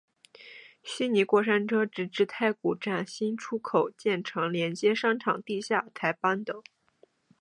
虚拟过山车直至太古站新出口建成连接商场地下才搬走。